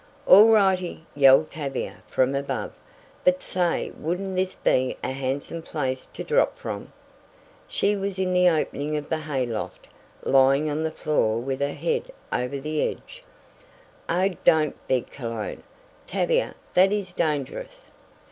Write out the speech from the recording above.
"All righty!" yelled Tavia from above. "But say wouldn't this be a handsome place to drop from?" She was in the opening of the hay loft, lying on the floor with her head over the edge. "Oh don't" begged Cologne. "Tavia, that is dangerous!"